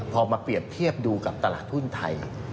พอมาเปรียบเทียบดูกับตลาดหุ้นไทย